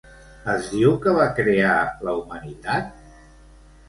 Es diu que va crear la humanitat?